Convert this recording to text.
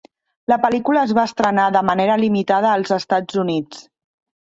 La pel·lícula es va estrenar de manera limitada als EUA.